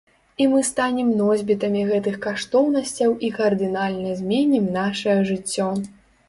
І мы станем носьбітамі гэтых каштоўнасцяў і кардынальна зменім нашае жыццё.